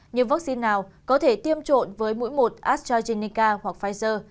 nhưng vaccine nào có thể tiêm trộn với mũi một astrazeneca hoặc pfizer